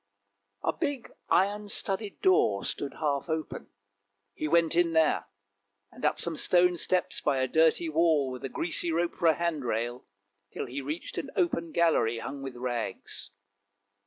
A big iron studded door stood half open; he went in here, and up some stone steps by a dirty wall with a greasy rope for a hand rail, till he reached an open gallery hung with rags.